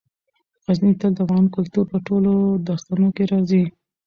غزني تل د افغان کلتور په ټولو داستانونو کې راځي.